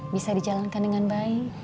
bisa dijalankan dengan baik